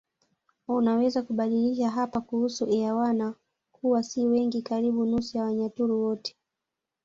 Unaweza kubadilisha hapa kuhusu Airwana kuwa si wengi karibu nusu ya Wanyaturu wote